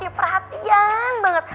kayak perhatian banget